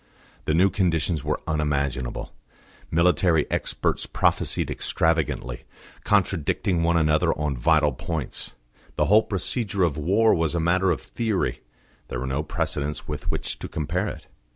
The new conditions were unimaginable. Military experts prophesied extravagantly, contradicting one another on vital points; the whole procedure of war was a matter of theory; there were no precedents with which to compare it.